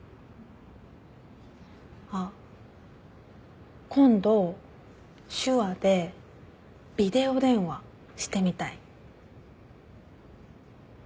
あっ今度手話でビデオ電話してみたい。